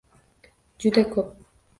Juda ko'p